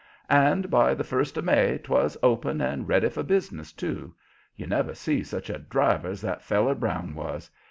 And by the first of May 'twas open and ready for business, too. You never see such a driver as that feller Brown was.